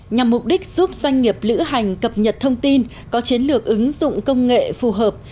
nhằm mục đích giúp doanh nghiệp lữ hành cập nhật thông tin có chiến lược ứng dụng công nghệ phù hợp